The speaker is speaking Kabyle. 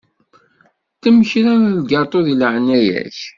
Ddem kra n lgaṭu deg leεnaya-k.